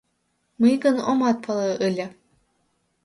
Мый гын омат пале ыле.